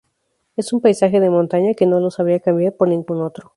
Y un paisaje de montaña que no lo sabría cambiar por ningún otro".